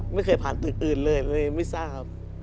ไม่เคยผ่านตึกอื่นเลยเลยไม่ทราบครับ